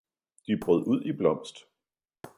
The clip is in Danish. de brød ud i blomst.